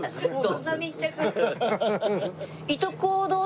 どんな密着？